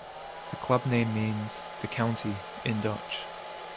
The club name means "The County" in Dutch.